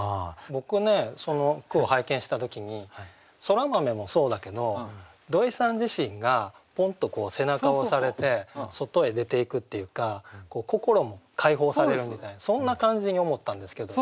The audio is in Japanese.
僕ねその句を拝見した時にそら豆もそうだけど土井さん自身がポンとこう背中を押されて外へ出ていくっていうか心も解放されるみたいなそんな感じに思ったんですけど。